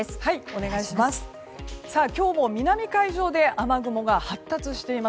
お願いします。